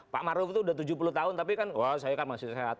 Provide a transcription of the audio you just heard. pak maruf itu sudah tujuh puluh tahun tapi kan wah saya kan masih sehat